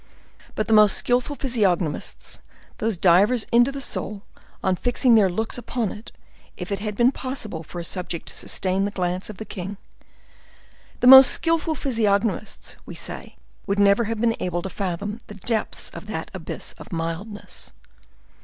But the most skillful physiognomists, those divers into the soul, on fixing their looks upon it, if it had been possible for a subject to sustain the glance of the king,—the most skillful physiognomists, we say, would never have been able to fathom the depths of that abyss of mildness.